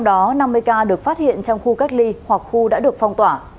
trong đó năm mươi ca được phát hiện trong khu cách ly hoặc khu đã được phong tỏa